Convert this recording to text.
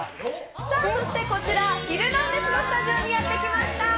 さあこちら、ヒルナンデス！のスタジオにやって来ました。